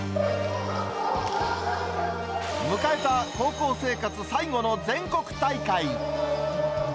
迎えた高校生活最後の全国大会。